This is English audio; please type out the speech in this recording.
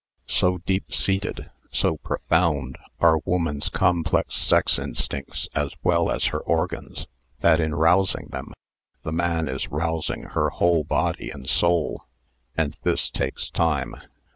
So deep seated, so profound, are woman's complex sex instincts as well as her organs, that in rousing them the man is rousing her whole body and soul. And this takes time.